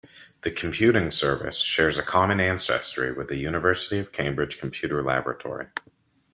The Computing Service shares a common ancestry with the University of Cambridge Computer Laboratory.